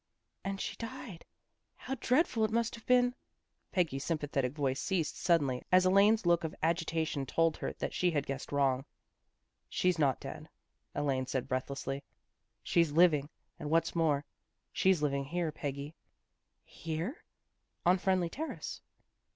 " And she died. How dreadful it must have been " Peggy's sympathetic voice ceased suddenly, as Elaine's look of agitation told her that she had guessed wrong. " She's not dead," Elaine said breathlessly. " She's living, and what's more, she's living here, Peggy." " Here? "" On Friendly Terrace."